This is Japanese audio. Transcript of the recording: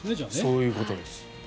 そういうことです。